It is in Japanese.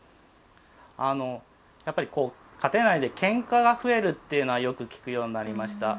やっぱり家庭内でけんかが増えるっていうのはよく聞くようになりました。